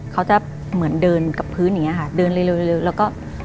เขาจะเหมือนเดินกับพื้นอย่างเงี้ยค่ะเดินเร็วเร็วเร็วเร็วแล้วก็